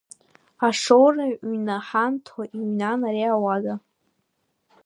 Ашоура ҩнаҳанто иҩнан ари ауада.